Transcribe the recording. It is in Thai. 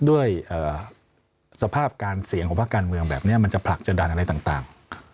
ด้วยสภาพการเสี่ยงของภาคการเมืองแบบนี้มันจะผลักจะดันอะไรต่าง